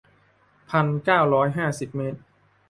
พันเก้าร้อยห้าสิบเมตร